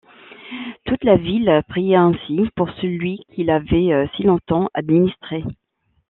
Toute la ville pria ainsi pour celui qui l'avait si long-temps administrée.